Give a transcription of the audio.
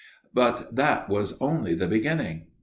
But that was only the beginning.